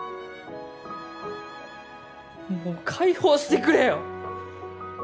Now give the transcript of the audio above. もう解放してくれよ！